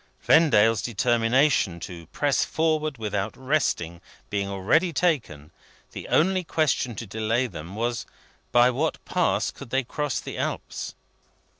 Vendale's determination to press forward, without resting, being already taken, the only question to delay them was by what Pass could they cross the Alps?